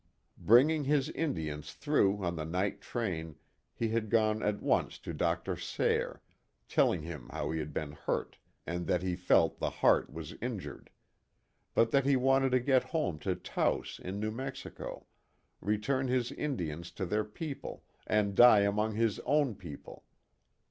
Bringing his Indians through on the night train he had gone at once to Dr. Sayre, telling him how he had been hurt and that he felt the heart was injured ; but that he wanted to get home to Taos in New Mexico, return his Indians to their people, and die among his own people.